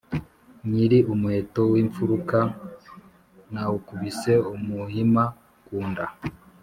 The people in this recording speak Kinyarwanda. nyili umuheto w'imfuruta nawukubise umuhima ku nda,